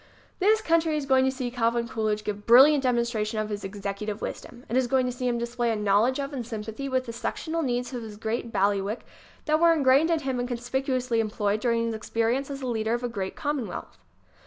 This country is going to see Calvin Coolidge give brilliant demonstration of his executive wisdom. It is going to see him display a knowledge of and sympathy with the sectional needs of his great bail iwick that were ingrained in him and conspicuously employed during his experience as leader of a great commonwealth.